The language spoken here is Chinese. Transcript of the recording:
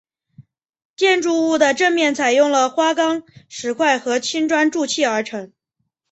建筑物的正面采用了花岗石块和青砖筑砌而成。